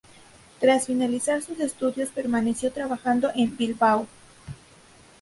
Tras finalizar sus estudios permaneció trabajando en Bilbao.